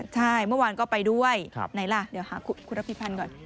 ใช่เมื่อวานก็ไปด้วยไหนล่ะเดี๋ยวหาคุณรับพิพันธ์ก่อน